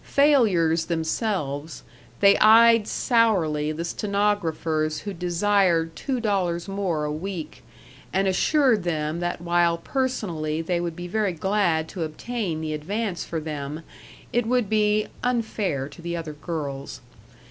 Failures themselves, they eyed sourly the stenographers who desired two dollars more a week, and assured them that while personally they would be very glad to obtain the advance for them, it would be "unfair to the other girls."